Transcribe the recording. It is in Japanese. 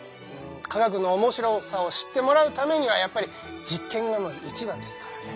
科学の面白さを知ってもらうためにはやっぱり実験が一番ですからね。